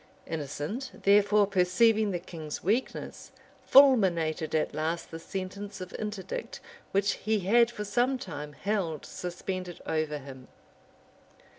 Innocent, therefore, perceiving the king's weakness, fulminated at last the sentence of interdict which he had for some time held suspended over him.